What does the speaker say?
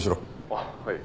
「あっはい」